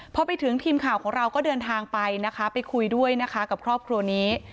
พอไปถึงทีมข่าวของเราก็เดินทางไปนะคะไปคุยด้วยนะคะกับครอบครัวนี้